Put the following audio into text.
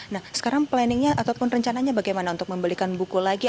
nah sekarang planningnya ataupun rencananya bagaimana untuk membelikan buku lagi